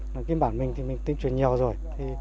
mà cái bản mình thì mình tên truyền nhiều rồi